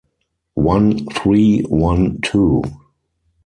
One, three, one, two.